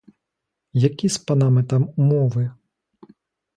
Які з панами там умови?